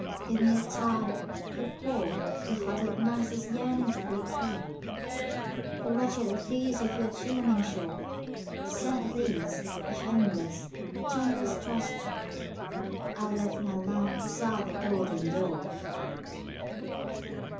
"Give me your tired, your poor, Your huddled masses yearning to breathe free, The wretched refuse of your teeming shore. Send these, the homeless, tempest tost to me,I lift my lamp beside the golden door!"